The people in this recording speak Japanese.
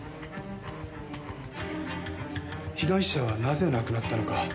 被害者はなぜ亡くなったのか。